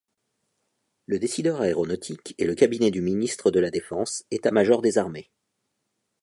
Le décideur aéronautique est le Cabinet du ministre de la Défense, État-major des armées.